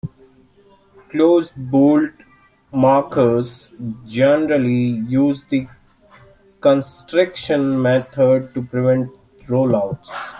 Closed bolt markers generally use the constriction method to prevent "roll outs".